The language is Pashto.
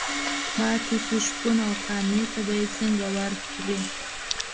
پاتې شو شپون او قانع ته به یې څنګه ورکړي.